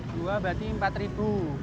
dua berarti rp empat